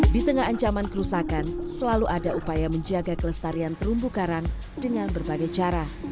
di tengah ancaman kerusakan selalu ada upaya menjaga kelestarian terumbu karang dengan berbagai cara